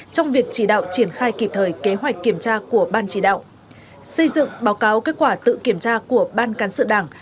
trong việc chỉ đạo triển khai kịp thời kế hoạch kiểm tra của ban chỉ đạo xây dựng báo cáo kết quả tự kiểm tra của ban cán sự đảng